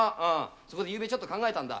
そこでゆうべちょっと考えたんだ。